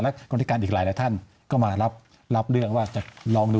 และคนพิการอีกหลายท่านก็มารับเรื่องว่าจะลองดู